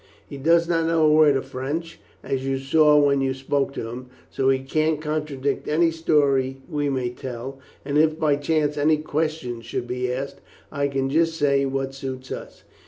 He does not know a word of French, as you saw when you spoke to him, so he can't contradict any story we may tell, and if by chance any questions should be asked, I can just say what suits us."